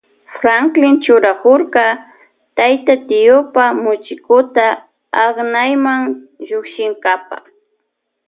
Franklin churakurka tayta tiopa muchikuta aknayma llukshinkapa.